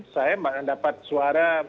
saya dapat suara berbeda